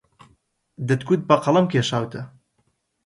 دەتگوت بە قەڵەم کێشاوتە